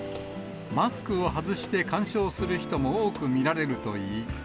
マスクを外して観賞する人も多く見られるといい。